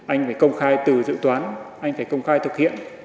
anh phải công khai từ dự toán anh phải công khai thực hiện